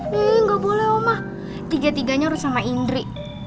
nih gak boleh omah tiga tiganya harus sama indri